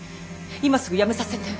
今すぐやめさせて。